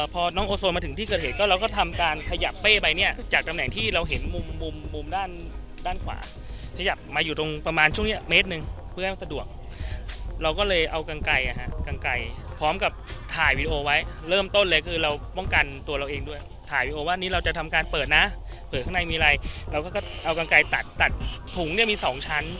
พอน้องโอโซนมาถึงที่เกิดเหตุก็เราก็ทำการขยับเป้ไปเนี้ยจากตำแหน่งที่เราเห็นมุมมุมมุมด้านด้านขวาขยับมาอยู่ตรงประมาณช่วงเนี้ยเมตรหนึ่งเพื่อให้มันสะดวกเราก็เลยเอากางไก่อ่ะฮะกางไก่พร้อมกับถ่ายวีดีโอไว้เริ่มต้นเลยคือเราป้องกันตัวเราเองด้วยถ่ายวีดีโอว่านี้เราจะทำการเปิดน่ะเปิดข้างใน